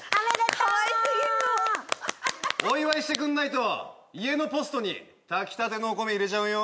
かわいすぎるの！お祝いしてくんないと家のポストに炊きたてのお米入れちゃうよ